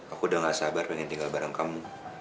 aku udah gak sabar pengen tinggal bareng kamu